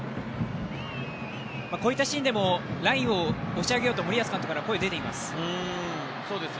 こういったシーンでもラインを押し上げようと森保監督から声が出ています。